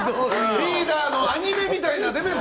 リーダーのアニメみたいな出べそ。